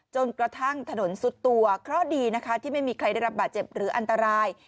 จนกระทั่งถนนสุดตัวเพราะดีนะคะที่ไม่มีใครได้รับบาดเจ็บหรืออันตราย